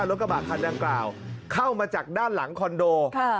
รถกระบะคันดังกล่าวเข้ามาจากด้านหลังคอนโด